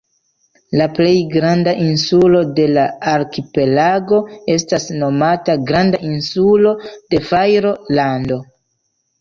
La plej granda insulo de la arkipelago estas nomata Granda Insulo de Fajrolando.